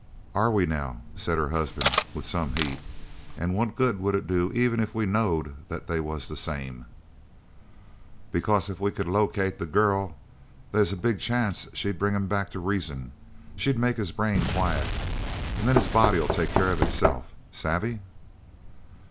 "Are we now?" said her husband with some heat. "An' what good would it do even if we knowed that they was the same?" "Because if we could locate the girl they's a big chance she'd bring him back to reason. She'd make his brain quiet, an' then his body'll take care of itself, savvy?"